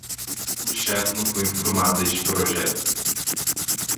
O chefe não foi informado desse projeto